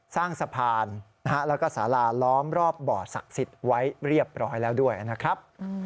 สร้างสะพานแล้วก็สาราล้อมรอบบ่อศักดิ์สิทธิ์ไว้เรียบร้อยแล้วด้วยนะครับ